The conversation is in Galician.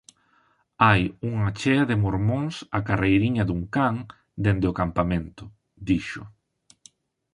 Hai unha chea de mormóns á carreiriña dun can dende o campamento −dixo−.